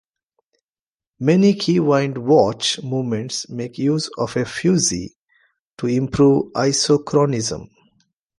Many keywind watch movements make use of a fusee, to improve isochronism.